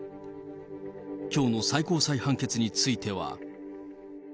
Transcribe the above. きょうの最高裁判決については。